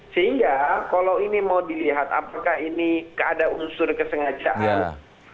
sehingga kalau ini mau dilihat apakah ini ada unsur kesengajaan